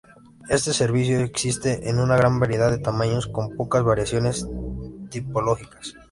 Este "servicio" existe en una gran variedad de tamaños, con pocas variaciones tipológicas.